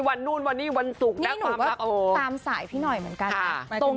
วันวันนี่วันนู่นวันนี้วันปรุง